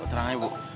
terang aja bu